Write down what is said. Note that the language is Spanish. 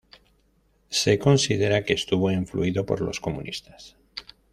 Se considera que estuvo influido por los comunistas.